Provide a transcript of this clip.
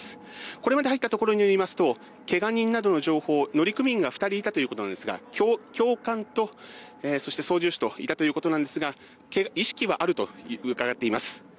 これまで入ったところによりますと怪我人などの情報乗組員が２人いたということなんですが教官と操縦士がいたということですが意識はあると伺っています。